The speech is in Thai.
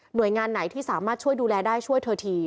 โดยงานไหนที่สามารถช่วยดูแลได้ช่วยเธอที